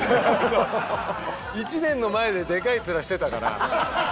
１年の前ででかい面してたから。